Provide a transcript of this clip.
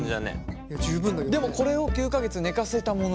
でもこれを９か月寝かせたものが。